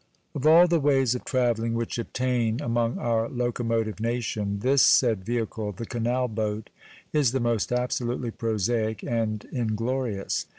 Of all the ways of travelling which obtain among our locomotive nation, this said vehicle, the canal boat, is the most absolutely prosaic and inglorious.